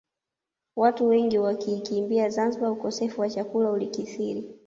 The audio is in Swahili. Watu wengi wakaikimbia Zanzibar ukosefu wa chakula ulikithiri